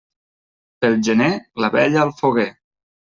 Pel gener, la vella al foguer.